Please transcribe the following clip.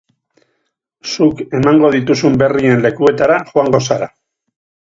Zuk emango dituzun berrien lekuetara joango zara.